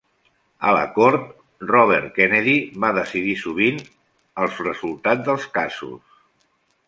A la Cort Roberts, Kennedy va decidir sovint el resultat dels casos.